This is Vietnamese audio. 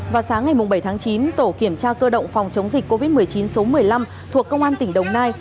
vào sáng ngày bảy tháng chín tổ kiểm tra cơ động phòng chống dịch covid một mươi chín số một mươi năm thuộc công an tỉnh đồng nai